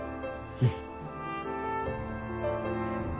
うん？